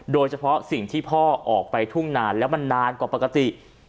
โดยเฉพาะสิ่งที่พ่อออกไปทุ่งนานแล้วมันนานกว่าปกติ